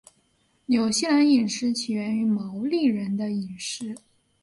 纽西兰饮食起源于毛利人的饮食。